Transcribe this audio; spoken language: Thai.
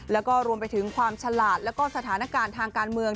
แล้วก็รวมไปถึงความฉลาดแล้วก็สถานการณ์ทางการเมือง